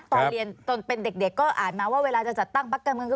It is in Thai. ตอนเรียนตอนเป็นเด็กก็อ่านมาว่าเวลาจะจัดตั้งพักการเมืองก็